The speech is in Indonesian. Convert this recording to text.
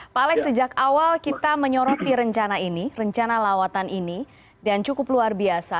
pak alex sejak awal kita menyoroti rencana ini rencana lawatan ini dan cukup luar biasa